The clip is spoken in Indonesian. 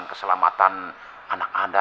keselamatan anak anda